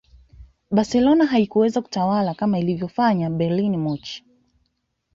barcelona haikuweza kutawala kama ilivyofanya bayern munich